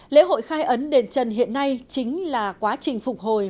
lễ hội khai ấn đền trần hiện nay chính là quá trình phục hồi